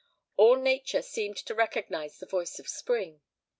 All nature seemed to recognise the voice of spring.